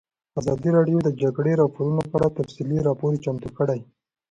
ازادي راډیو د د جګړې راپورونه په اړه تفصیلي راپور چمتو کړی.